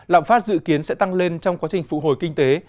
lạm phát dự kiến sẽ tăng lên trong quá trình phụ hồi kinh tế